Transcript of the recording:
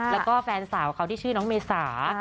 แล้วก็แฟนสาวเขาที่ชื่อน้องเมษา